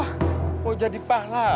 wah kok jadi pahlawan lu